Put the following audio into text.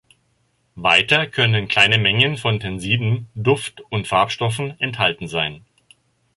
Weiter können kleine Mengen von Tensiden, Duft- und Farbstoffen enthalten sein.